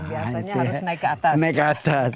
biasanya harus naik ke atas